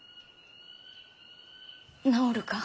治るか！？